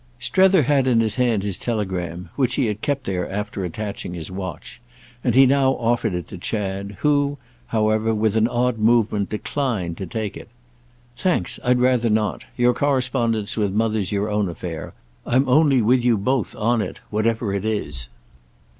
Strether had in his hand his telegram, which he had kept there after attaching his watch, and he now offered it to Chad, who, however, with an odd movement, declined to take it. "Thanks, I'd rather not. Your correspondence with Mother's your own affair. I'm only with you both on it, whatever it is."